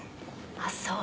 「あっそう。